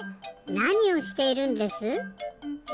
なにをしているんです？